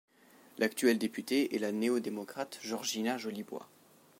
L'actuel député est la néodémocrate Georgina Jolibois.